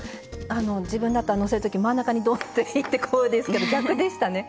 あの自分だったらのせる時真ん中にどんといってこうですけど逆でしたね。